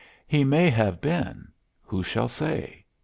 He may have been. Who shall say?